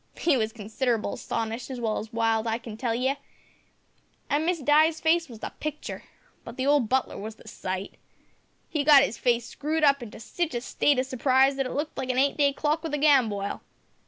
He was considerable astonished as well as riled, I can tell you, an' Miss Di's face was a pictur', but the old butler was the sight. He'd got 'is face screwed up into sitch a state o' surprise that it looked like a eight day clock with a gamboil.